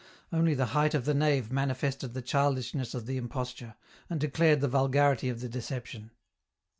Only the height of the nave manifested the childishness of the imposture, and declared the vulgarity of the deception.